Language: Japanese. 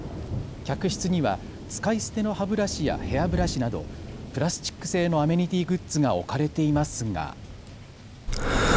客室には使い捨ての歯ブラシやヘアブラシなどプラスチック製のアメニティーグッズが置かれていますが。